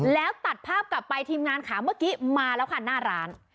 แล้วตัดภาพกลับไปทีมงานค่ะเมื่อกี้มาแล้วค่ะหน้าร้าน